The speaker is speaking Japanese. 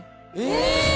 え！